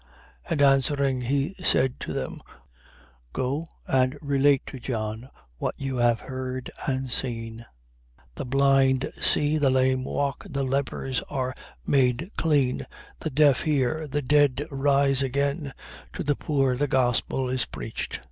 7:22. And answering, he said to them: Go and relate to John what you have heard and seen: the blind see, the lame walk, the lepers are made clean, the deaf hear, the dead rise again, to the poor the gospel is preached.